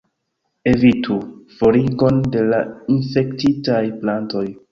Evitu: forigon de la infektitaj plantoj.